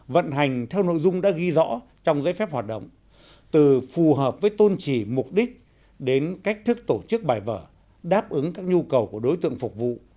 vận hành theo nội dung đã ghi rõ trong giấy phép hoạt động từ phù hợp với tôn trì mục đích đến cách thức tổ chức bài vở đáp ứng các nhu cầu của đối tượng phục vụ